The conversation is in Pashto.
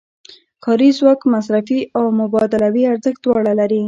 کاري ځواک مصرفي او مبادلوي ارزښت دواړه لري